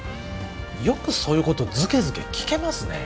よくそういうことずけずけ聞けますね